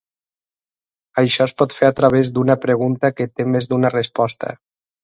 Això es pot fer a través d'una pregunta que té més d'una resposta.